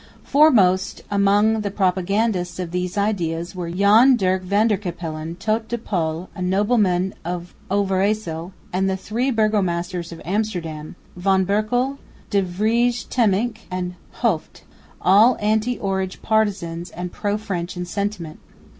Foremost among the propagandists of these ideas were Jan Dirk van der Capellen tot de Pol, a nobleman of Overyssel, and the three burgomasters of Amsterdam, Van Berckel, De Vrij Temminck and Hooft, all anti Orange partisans and pro French in sentiment.